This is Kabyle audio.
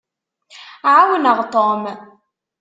Ɛawneɣ Tom.